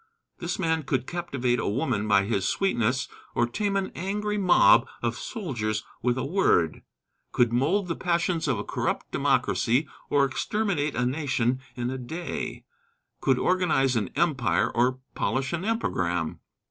This man could captivate a woman by his sweetness or tame an angry mob of soldiers with a word; could mold the passions of a corrupt democracy or exterminate a nation in a day; could organize an empire or polish an epigram.